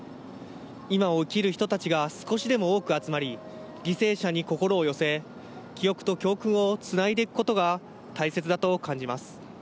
今を生きる人たちが少しでも多く集まり、犠牲者に心を寄せ、記憶と教訓を繋いで行くことが大切だと感じます。